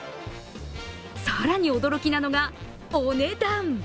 更に驚きなのがお値段。